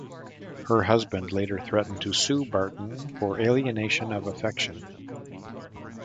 Her husband later threatened to sue Barton for alienation of affection.